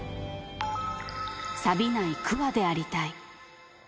さびないくわでありたい。